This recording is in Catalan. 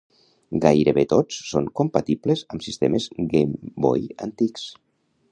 Gairebé tots són compatibles amb sistemes Game Boy antics.